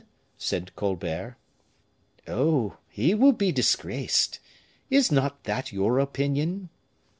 said Colbert. "Oh! he will be disgraced. Is not that your opinion?"